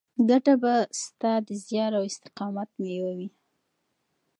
ګټه به ستا د زیار او استقامت مېوه وي.